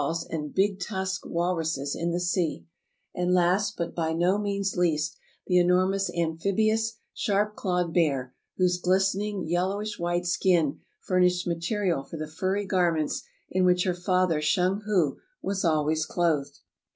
The Wifely Heroism of Mertuk 373 and big tusked walruses in the sea; and last but by no means least the enormous amphibious, sharp clawed bear whose glistening, yellowish white skin furnished material for the furry garments in which her father Shung hu was always clothed.